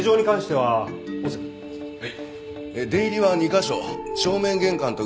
はい。